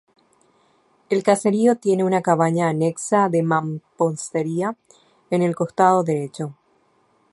El caserío tiene una cabaña anexa de mampostería en el costado derecho.